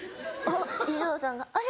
衣装さんが「あれ？」